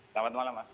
selamat malam pak